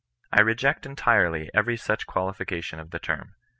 7 I reject entirely every such qualification of the term.